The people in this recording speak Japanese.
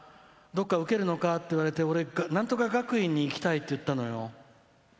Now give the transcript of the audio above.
どっか受けるのか？って言われて俺、なんとか学園に行きたいって言ったのよ。